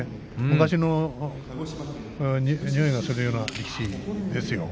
昔のにおいがするような力士ですよ。